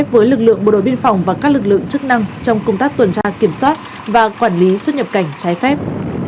với lực lượng bộ đội biên phòng và các lực lượng chức năng trong công tác tuần tra kiểm soát và quản lý xuất nhập cảnh trái phép